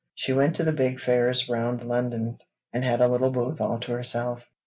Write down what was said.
She went to the big fairs round London, and had a little booth all to herself.